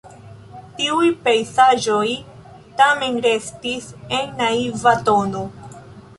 Tiuj pejzaĝoj tamen restis en naiva tono.